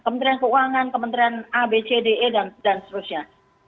kementerian keuangan kementerian abcde dan seterusnya